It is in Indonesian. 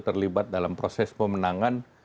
terlibat dalam proses pemenangan